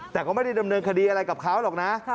แต่ก็ไม่ได้ดำเนินคดีอะไรกับเขาหรอกนะ